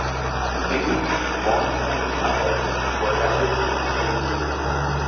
English Long Horn Cattle were added in the same year.